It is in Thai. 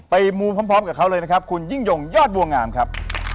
มูพร้อมกับเขาเลยนะครับคุณยิ่งยงยอดบัวงามครับ